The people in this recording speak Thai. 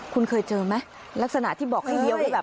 คุณเคยเจอไหมลักษณะที่บอกให้เลี้ยว่าแบบ